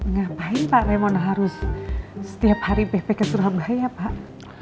ngapain pak remon harus setiap hari pp ke surabaya pak